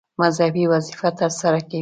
مذهبي وظیفه ترسره کوي.